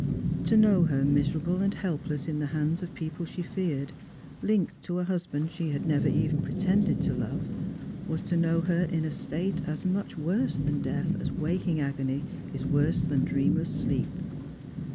To know hei miserable and help less in the hands of people she feared— linked to a husband she had never even pretended to love— was to know her in a state as much worse than death as waking agony is worse than dreani less sleep.